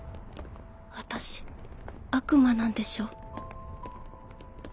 私悪魔なんでしょ？